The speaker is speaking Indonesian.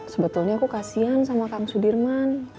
sebetulnya aku kasian sama kang sudirman